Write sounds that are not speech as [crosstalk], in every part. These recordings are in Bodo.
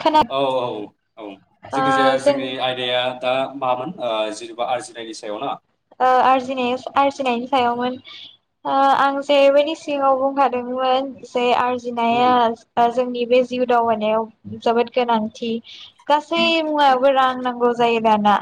खोना औ औ औ ओ जेखिजाया जों जोंनि आयदाया आ मामोन ओ जेनेबा आरजिनायनि सायाव ना ओ आरजिनाय आरजिनायनि सायावमोन ओ आं जेरैबायदि सिगांङाव बुंखादोंमोन जे उम आरजिनाया [unintelligible] जोंनि बे जिउ दावबायानायाव जोबोद गोनांथि गासै मुवायावबो रां नांगौ जायो दाना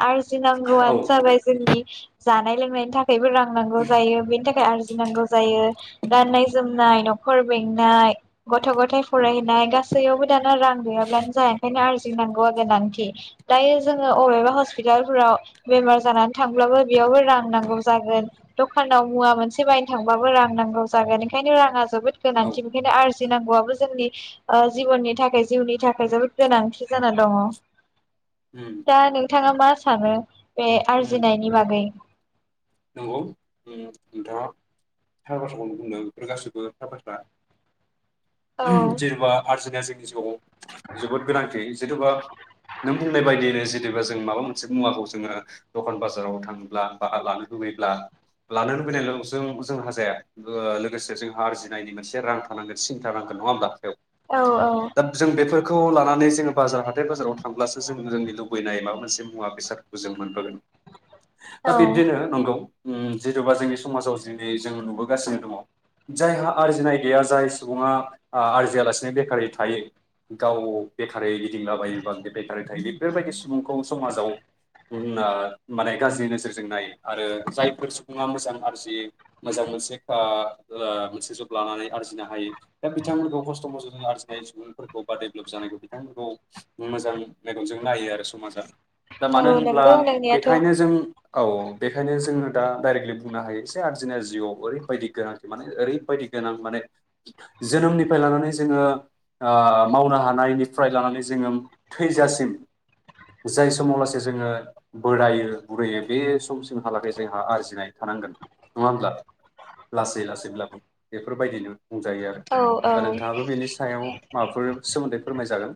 औ आरजिनांगौआनो जाबाय जोंनि जानाय लोंनायनि थाख खायबो रां नांगौ जायो बेनि थाखाय आरजिनांगौ जायो गाननाय जोमनाय नख न'खर बेंनाय गथ' गथाइ फरायहनाय गासैयावबो दाना रां गैयाब्लानो जाया ओंखायनो आरजिनांगौआ गोनांथि दायो जोङो अबेबा हस्पितालफोराव बेमार जानानै थांब्लाबो बेयावबो रां नांगौ जागोन दखानाव मुवा मोनसे बायनो थांबाबो रां नांगौ जागोन ओंखायनो राङा जोबोद औ गोनांथि बेनिखायनो आर जिनांगौआबो जोंनि ओ जिबननि थाखाय जिउनि थाखाय जोबोद गोनांथि जाना दङ। उम दा नोंथाङा मा सानो? बे उम आर्जिनाय बै नंगौ उम नोंथाङा थार बाथ्राखौनो बुंदों बेफोर गासैबो थार बाथ्रा। औ ओहोम जेनेबा आर्जि गाज्रि गेसावखौ जोबोद गोनांथि जेथ'बा नों बुंनाय बायदियैनो जेनेबा जों माबा मोनसे मुवाखौ जोङो दखान बाजाराव थांब्ला बा लानो लुबैब्ला लानो लुबैनायल' जों जोंहा जाया ओ लोगोसे जोंहा आरजिनायनि मोनसे रां थानांगोन सिन्था थानांगोन नङा होमबा। औ औ दा जों बेफोर खौ लानानै जोङो बाजार हाथाय बाजाराव थांब्लासो जों जोंनि लुबैनाय माबा मोनसे मुवा बेसादखौ जों मोनबोगोन। दा औ बिब्दिनो उम जिथ'बा जोंनि समाजाव जिनै जों नुबोगासिनो दङ जायहा आरजिनाय गैया जाय सुबुङा आ आरजियालासिनो बेखारै थायो गाव बेखारै गिदिंला बायोबा बेखारि थायो बेफोरबायदि सुबुंखौ समाजाव माने गाज्रि नोजोरजों नायो। आरो जायफोर सुबुङा मोजां आरजि मोजां मोनसे ओ मोनसे जब लानानै आरजिनो हायो दा बिथांमोनखौ खस्थ' मस्थ'जों आरजिनाय सुबुंफोरखौ बा डेभेलप जानायखौ बिथांमोनखौ मोजां मेगनजों नायो आरो समाजा। दा औ मानो होनब्ला नंगौ नोंनियाथ' बेखायनो जों औ। बेखायनो जोङो दा डाइरेक्टलि बुंनो हायो एसे आरजिनाया जिउआव ओरैबायदि गोनांथि माने ओरैबायदि गोनां माने जोनोमनिफ्राय लानानै जोङो ओ मावनो हानायनिफ्राय लानानै जोङोम थैजासिम जाय समाव लासै जोङो बोरायो बुरियो बे समसिम जोंहालागै जोंहा आरजिनाय थानांगोन नङा होमब्ला लासै लासैब्लाबो बेफोरबायदिनो बुंजायो आरो औ दा औ नोंथाङाबो बेनि सायाव माबाफोर सोमोन्दै फोरमायजागोन?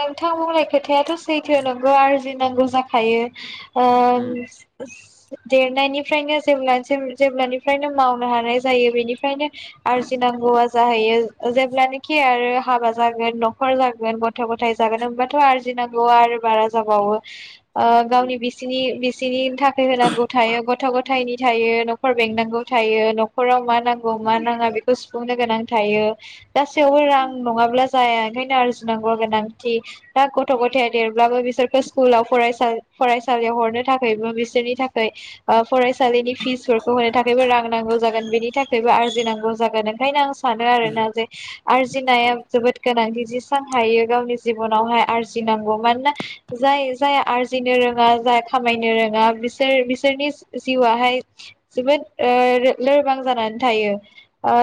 नोंथां बुंनाय खोथायाथ' सैथो नंगौ आर जिनांगौ जाखायो। ओ उम देरनायनिफ्रायनो जेब्लासिम जेब्लानिफ्रायनो मावनो हानाय जायो बेनिफ्रायनो आरजिनांगौआ जाहैयो जेब्लानाखि आरो हाबा जागोन न'खर जागोन गथ' ग थाय जागोन होमबाथ' आरजिनांगौया आरो बारा जाबावो। ओ गावनि बिसिनि बिस सिनि थाखाय होनांगौ थायो गथ' ग थायनि थायो न'खर बेंनांगौ थायो न'खराव मा नांगौ मा उम नाङा बेखौ सु फुंनो गोनां थायो। गासैयावबो रां उम नङाब्ला जाया ओंखायनो आरजिनांगौ गोनां थि दा गथ' गथाया देरब्लाबो बिसोरखौ स्कुलाव फरायसा-फरायसालियाव हरनो थाखायबो बिसोरनि थाखाय ओ फरायसालिनि फिसफोरखौ होनो थाखायबो रां नांगौ जागोन बेनि थाखायबो आरजिनांगौ जागोन ओंखायनो आं स सानो आरोना जे औ आरजिनाया जोबोद गोनांथि जि सां हायो गावनि जिबनावहाय आरजिनांगौ मानोना जाय जाय आरजिनो रोङा जाय खामायनो रोङा बिसोर बिसोरनि जिउआहाय जोबोद ओ लोरबां जानानै थायो ओ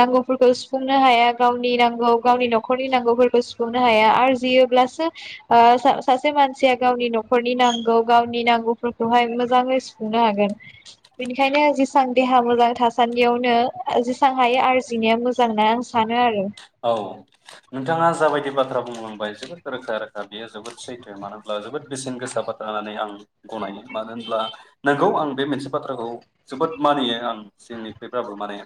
नांगौफोरखौ सुफुंनो हाया गावनि नांगौ गावनि नखरनि नांगौफोरखौ सुफुं हाया आरजियोब्लासो ओ सासे मानसिया गावनि नखरनि नांगौ गावनि नांगौफोरखौहाय मोजाङै सुफुंनो हागोन बेनिखायनो जेसां देहा मोजां थासान्दियावनो जेसां हायो आरजिनाया मोजां होनना आं सानो आरो औ नोंथाङा जाबायदि बाथ्रा बुंलांबाय जोबोद रोखा रोखा बेयो जोबोद सैथो मानो होनब्ला जोबोद बेसेन गोसा बाथ्रा होननानै आं गनायो मानो होनब्ला नोंगौ आं बे मोनसे बाथ्राखौ जोबोद मानियो आं जोंनिफ्रायब्लाबो माने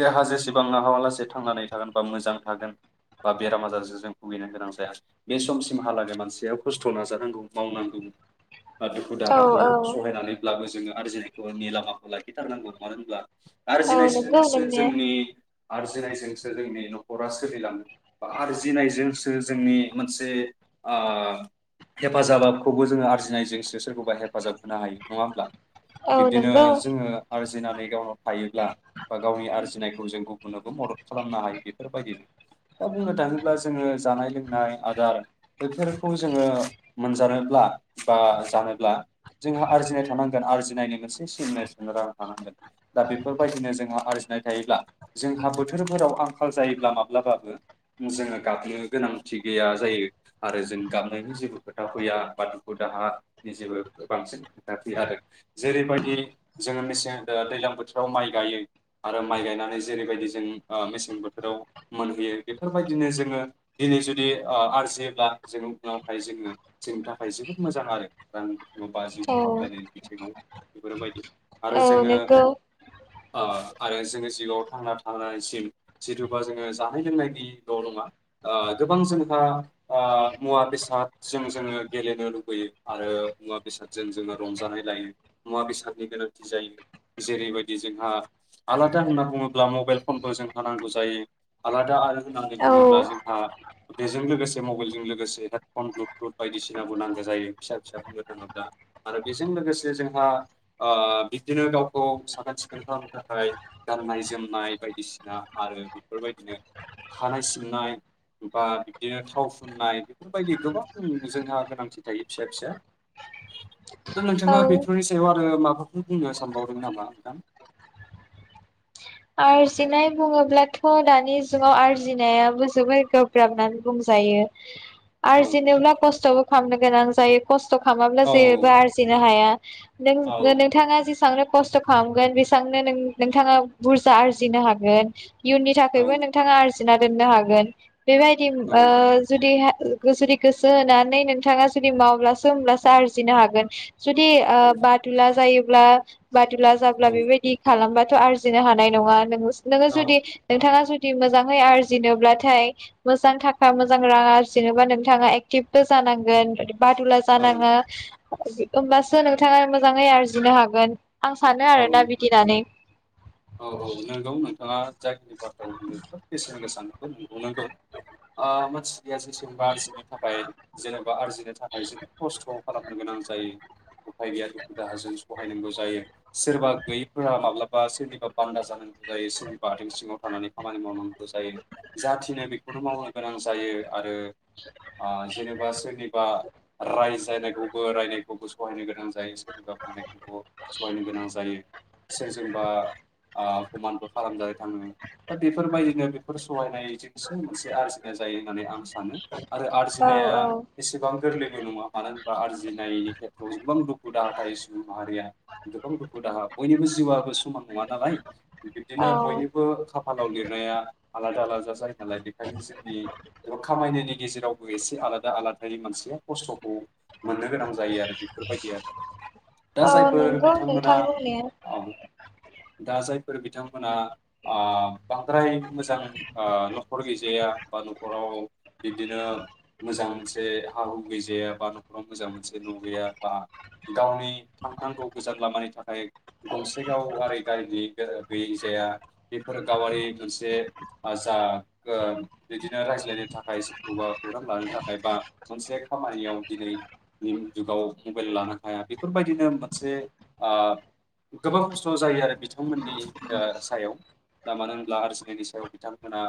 देहा जेसेबां हालासे थांनानै थागोन बा मोजां थागोन बा बेराम आजारजों जों भुगिनो गोनां जाया बे समसिमहालागै मानसिया खस्थ' नाजानांगौ मावनांगौ बा दुखु औ दाहाखौ औ सहायनानैब्लाबो जोङो आरजिनायखौ नि लामाखौ लाखिथारनांगौ मानो होनब्ला औ नंगौ आरजिनायजोंजोंसो नोंनाया जोंनि आरजिनायजोंसो [unintelligible] नखरा सोलिलाङो बा आरजिनायजोंसो जोंनि मोनसे‌ ओ हेफाजाबखौबो जोङो आरजिनायजोंसो सोरखौबा हेफाजाब होनो हायो नङा होमब्ला? औ बिब्दिनो नंगौ जोङो आरजि जिनानै गावनाव थायोब्ला बा गावनि आरजिनायखौ जों गुबुननोबो मदद खालामनो हायो बेखौ बेफोरबायदिनो दा बुंनो थाङोब्ला जोङो जानाय लोंनाय आदार बैफोरखौ जोङो मोनजानोब्ला बा जानोब्ला जोंहा आरजिनाय थानांगोन आरजिनायनि मोनसे सिमनाय राहा थानांगोन दा बेफोरबायदिनो जोंहा आरजिनाय थायोब्ला जोंहा बोथोरफोराव आं खाल जायोब्ला माब्लाबाबो जोङो गाबनो गोनांथि गैया जायो आरो जों गाबनायनि जेबो खोथा फैया बा दुखु दाहानि जेबो बांसिन खोथा फैया आरो जेरैबायदि जोङो मेसें ओ दैज्लां बोथोराव माइ गायो आरो माइ गायनानै जेरैबायदि जों ओ मेसें बोथ थोराव मोनहैयो बेफोरबायदिनो जोङो दिनै जुदि ओ आरजियोब्ला जों उनावाय जोङो जोंनि थाखाय जोबोद मोजां आरो रांनि बिथिङाव बा जिउ औ सामलायनाय बिथिङाव बेफोरबायदि औ आरो जोङो नोंगौ ओ आरो जोङो जिउआव थांना थानायसिम जिदुबा जोङो जानाय लोंनायनिल' नङा ओ गोबां जोंहा ओ मुवा बेसादजों जोङो गेलेनो लुबैयो आरो मुवा बेसादजों जोङो रंजानाय लायो मुवा बेसादनि गोनांथि जायो जेरैबायदि जोंहा आलादा होनना बुङोब्ला मबाइल फनबो जों नांगौ जायो आलादा आरो होननानै औ बुङोब्ला जोंहा बेजों लोगोसे मबाइलजों लोगोसे हेडफन ब्लुथुथ बायदिसिनाबो नांगौ जायो फिसा फिसा बुंनो थाङोब्ला आरो बेजों लोगोसे जोंहा ओ बिबदिनो गावखौ साखोन सिखोन खालामनो थाखाय गाननाय जोमनाय बायदिसिना आरो बेफोरबायदिनो खानाय सिननाय बा बिबदिनो थाव फुननाय बेफोरबायदि गोबां जोंहा गोनांथि थायो फिसा फिसा नोंथाङा औ बेफोरनि सायाव आरो माबाफोर बुंनो सानबावदों नामा नोंथां आरजिनाय बुङोब्लाथ' दानि जुगाव आरजिनायाबो जोबोर गोब्राब होननानै बुंजायो औ आरजिनोब्ला खस्थ'बो खामनो गोनां ज जायो खस खस्थ' खालामाब्ला औ जेबो आरजिनो हाया [unintelligible] औ नों-नोंथाङा जेसांनो खस्थ' खालामगोन बेसांनो नों नोंथाङा बुरजा आरजिनो हागोन इयुननि औ थाखायबो नोंथाङा आरजि ना दोननो हागोन बेबायदि ओ जुदि हा जुदि गोसो होनानै नोंथाङा जुदि मावब्लासो होमब्लासो आरजिनो हागोन जुदि ओ औ बादुला जायो ब्ला बादुला जाब्ला औ बेबायदि खालामबा [unintelligible] जिनो हानाय नङा नों नोङो जुदि नोंथाङा जु दि मोजाङै आरजिनोब्लाथाय मोजां थाखा मोजां रां आरजिनोबा नोंथाङा एक्टिभबो जानांगोन बादुला औ जानाङा होमबासो नोंथाङा मोजाङै आरजिनो हागोन आं सानो औ आरोना बिदिनानै औ औ नंगौ नोंथाङा जाखिनि बाथ्राखौ बुंदों जोबोद बेसेन गोसा [inaudible] ओ मानसिया जेसेबबां आरजिनो थाखाय जेनेबा आरजिनो थाखाय जोबोद खस्थ' खालामनो गोनां जायो उफाय गैया दुखु दाहाजों सहायनांगौ जायो सोरबा गैयैफोरा माब्लाबा बा सेनि बान्दा जानांगौ जायो सोरनिबा आथिं सिङाव थानानै खामानि मावनांगौ जायो जाथिनो बेखौनो मावनो गोनां जायो आरो ओ जेनेबा सोरनिबा रायजानाय थेवबो रायनायखौबो सहायनो गोनां जायो सोरनिबा बुंनायखौबो सहायनो गोनां जायो सोरजोंबा ओ कमानबो खालामजानो थाङो दा बेफोरबायदिनो बेफोर सहायनायजोंसो मोनसे आरजिनाय जायो होननानै आं सानो सानो आरो औ आरजिनाया औ एसेबां गोरलै नङा मानो होनबा आरजिनायनि खेथ्रआव गोबां दुखु दाहा थायो सुबुं माहारिया गोबां दुखु दाहा बयनिबो जिउआबो समान नङा दालाय औ बिब्दिनो बयनिबो खाफालाव लिरनाया आलादा आलादा जायो नालाय बेखायनो जोंनि खामायनायनि गेजेरावबो एसे आलादा आलादायै मानसिया खस्थ'खौ मोननो गोनां जायो आरो बेफोरबायदि आरो दा औ जायफोर नंगौ बिथांमोना नोंथां बुंनाया दा जायफोर बिथांमोना ओ बांद्राय मोजां ओ न'खर गैजाया बा न'खराव बिब्दिनो मोजां मोनसे हा हु गैजाया बा न'खराव मोजां मोनसे न' गैया बा गावनि थांनांगौ गोजान लामानि थाखाय गंसे गावआरि गारि गैयैजाया बेफोर गावारि मोनसे ओ जा ओ बिदिनो रायज्लायनो थाखाय सोरखौबा खौरां लानो थाखाय बा मोनसे खामानियाव दिनैनि जुगाव मबाइल लानो हाया बेफोरबायदिनो मोनसे ओ गोबां खस्थ' जायो आरो बिथांमोननि ओ सायाव दा मानो होनब्ला आरजिनायनि सायाव बिथांमोना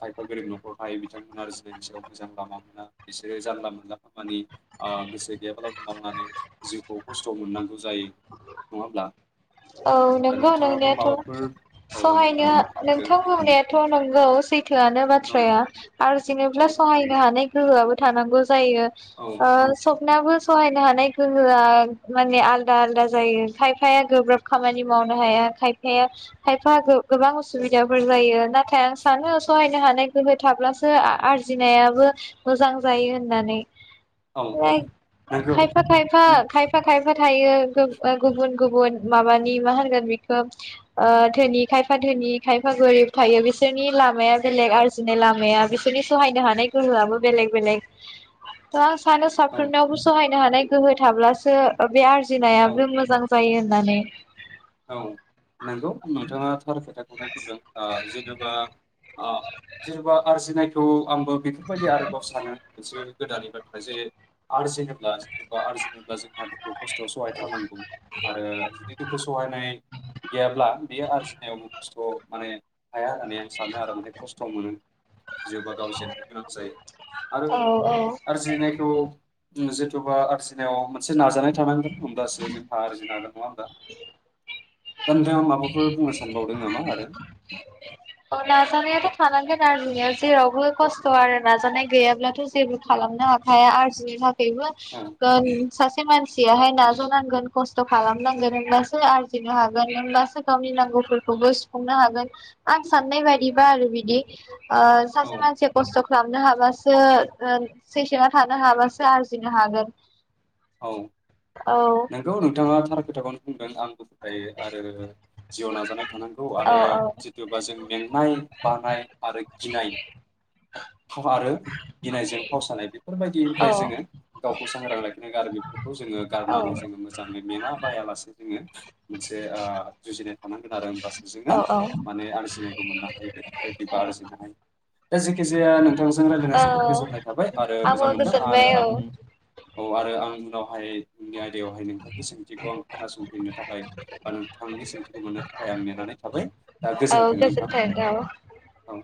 खायफा गोरों न'खर थायो बिथांमोना आरजिनायनि सायाव मोजां लामा मोना बिसोरो जानला मोनला खामानि ओ गोसो गैयाब्लाबो मावनानै जिउखौ खस्थ' मोननांगौ जायो नङा होमब्ला औ दा नंगौ नोंथाङाबो नोंनायाथ' माबाफोर औ सहायनो नोंथाङाबो बुंदो नोंथां बुंनायाथ' नंगौ सैथोआनो औ बाथ्राया आरो थिनोब्ला औ सहायनो हानाय गोहोआबो थानांगौ जायो ओ औ सब नाबो सहायनो हानाय गोहोआ माने आलदा आलादा जायो खायफाया गोब्राब खामानि मावनो हाया खायफाया खायफा गो गोबां असुबिदाफोर जायो नाथाय आं सानो सहायनो हानाय गोहो थाब्लासो आरजिनायाबो मोजां जायो होननानै औ औ [inaudible] नंगौ खायफा खायफा खायफा खायफा थायो गु-गुबुन गुबुन माबानि मा होनगोन बिखौ ओ धोनि खायफा धोनि खायफा गोरिब थायो बिसोरनि लामाया बेलेग आरजिनाय लामाया बिसोरनि सहायनो हानाय गोहोआबो बेलेग बेलेग सानो औ साफ्रोमनावबो सहाय हानाय गोहो थाब्लासो बे आर औ जिनायाबो मोजां जायो। नानै। औ नंगौ नोंथाङा थार खोथाखौनो बुंदों ओ जेनेबा ओ जेनेबा आरजिनाय खौ आंबो बेफोरबायदि आरोबाव सानो मोनसे गोदाननि बाथ्रा जे आर्जिजेेनोब्ला एबा आर्जिनोब्ला जों दुखु खस्थ'आव सहाय थारनांगौ आरो जुदि दुखु [unintelligible] गैयाब्ला बेयो आरजिनायावबो खस्थ'आ माने हाया होननानै आं सानो आरो माने खस्थ' मोनो। जोबा गाव जेननो गोनां जायो आरो औ औ आरजिनायखौ जेथुबा आरजिनायाव मोनसे नाजानाय थानांगोन होमब्लासो जोंहा आरजिनो हागोन। नङा होनबा? दा नोंथाङा माबाफोर बुंनो सानबावदों नामा आरो? औ नाजानायाथ' थानांगोन आरजिनायाव जेरावबो खस्थ' आरो नाजानाय गैयाब्लाथ' जेबो खालामनो हाखाया आरजिनो थाखाय बो ओं [unintelligible] सासे मानसियाहाय नाजनांगोन खस्थ' खालामनांगोन होनबासो आरजिनो हागोन होनबासो गावनि नांगौफोरखौबो सुफुंनो हागोन आं साननाय बायदिबा आरो बिदि ओ औ सासे मानसिया खस्थ' खालामनो हाबासो ओ पेसियेनाव थानो हाबासो आर्जिनो हागोन। औ औ नंगौ नोंथाङा थार खोथाखौनो बुं दों आंबो आरो जिउआव नाजानाय थानांगौ औ आरो जिथुबा जों मेंनाय, बानाय आरो गिनाय आरो गिनायजों फावसानाय औ बेफोरबायदिनिफ्राय जोङो गावखौ सांग्रां ला [unintelligible] खौ जोङो गारनानै जोङो मोजाङै मेङा बायालासे जोङो मोनसे ओ जुजिनाय थानांगोन आरो बास बेजोंनो औ औ माने आरजिनाय मोननो हायो। [unintelligible] आर्जिनाय दा जेखिजाया आं थांजों रायलायनाया जोबोद औ गोजोननाय थाबाय आरो आंबो मोजां मोनदों आरो गोजोनबाय आं औ औ आरो आं उनावहाय उननि आयदायावहाय नोंथांनि सोंथिखौ आं खोनासंफिननो थाखाय बा नोंथांनि सोंथिखौ मोननो थाखाय आं नेनानै थाबाय दा औ गोजोन्थों नोंथां गोजोन्थों औ। औ।